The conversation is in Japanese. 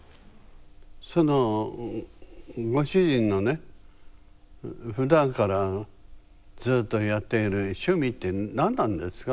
そのご主人のねふだんからずっとやっている趣味って何なんですか？